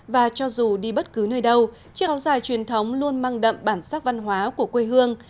và cho dù đi bất cứ nơi đâu chiếc áo dài truyền thống luôn mang đậm bản sắc văn hóa của quê hương